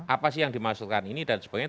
apa sih yang dimaksudkan ini dan sebagainya